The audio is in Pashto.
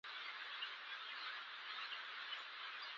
واورئ برخه د پښتو ژبې د پوهې لپاره اړینه ده.